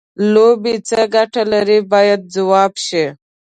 لوبې څه ګټه لري باید ځواب شي.